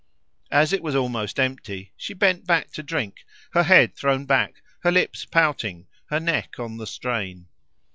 As it was almost empty she bent back to drink, her head thrown back, her lips pouting, her neck on the strain.